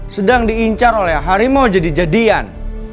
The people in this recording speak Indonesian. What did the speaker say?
sedang diincar oleh harimau jadi jadian